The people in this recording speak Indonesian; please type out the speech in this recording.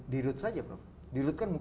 dirut saja prof